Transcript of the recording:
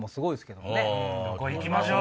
どこ行きましょう？